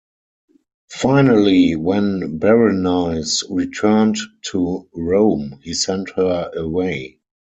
Finally, when Berenice returned to Rome, he sent her away.